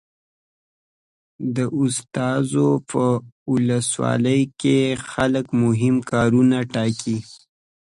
د استازو په ولسواکي کې خلک مهم کارونه ټاکي.